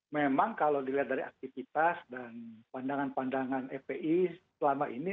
memang kalau dilihat dari aktivitas dan pandangan pandangan fpi selama ini